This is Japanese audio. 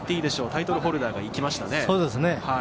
タイトルホルダーがいきましたね。